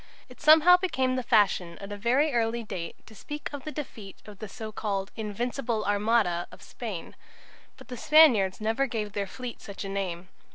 It somehow became the fashion at a very early date to speak of the defeat of the so called "Invincible Armada" of Spain. But the Spaniards never gave their fleet such a name.